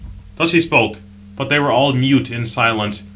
Thus he spoke; but they were all mute, in silence.